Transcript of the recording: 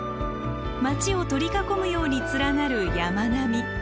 街を取り囲むように連なる山並み。